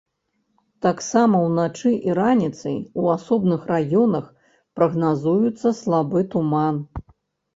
Таксама ўначы і раніцай у асобных раёнах прагназуецца слабы туман.